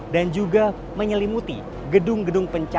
dan juga menyelimuti gedung gedung penyelenggaraan